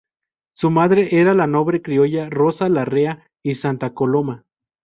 Su madre era la noble criolla Rosa Larrea y Santa Coloma.